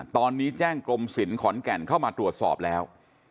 ตอนนี้แจ้งกรมศิลป์ขอนแก่นเข้ามาตรวจสอบแล้ว